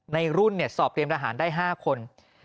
ในรุ่นสอบเตรียมทหารได้๕คน